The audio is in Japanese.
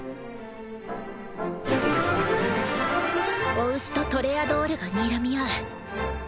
雄牛とトレアドールがにらみ合う。